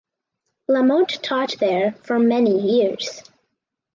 La Motte taught there for many years.